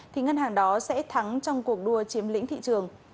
thì ngân hàng đó sẽ thắng trong cuộc đua chiếm lĩnh thị trường